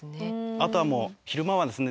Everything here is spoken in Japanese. あとはもう昼間はですね